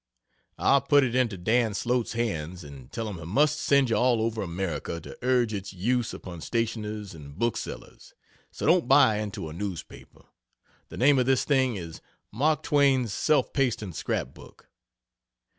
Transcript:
I'll put it into Dan Slote's hands and tell him he must send you all over America, to urge its use upon stationers and booksellers so don't buy into a newspaper. The name of this thing is "Mark Twain's Self Pasting Scrapbook."